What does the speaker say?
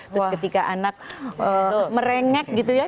terus ketika anak merengek gitu ya